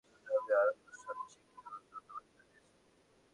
ইতালির তরুণদের নিয়ে কাজ করার জন্য আমি আরিগো সাচ্চিকেও ধন্যবাদ জানাচ্ছি।